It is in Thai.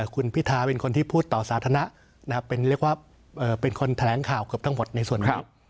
คุณพิทาเป็นคนที่พูดต่อสาธารณะนะครับเป็นเรียกว่าเป็นคนแถลงข่าวเกือบทั้งหมดในส่วนนี้